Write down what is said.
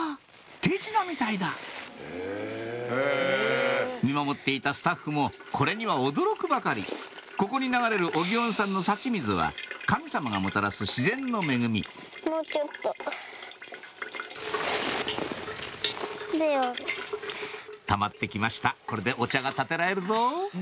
手品みたいだ見守っていたスタッフもこれには驚くばかりここに流れるお祇園さんの幸水は神様がもたらす自然の恵みたまって来ましたこれでお茶がたてられるぞ！